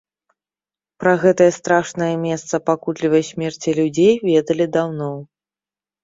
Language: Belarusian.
Пра гэтае страшнае месца пакутлівай смерці людзей ведалі даўно.